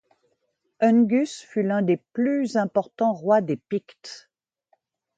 Oengus fut un des plus importants rois des Pictes.